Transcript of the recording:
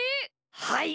はい。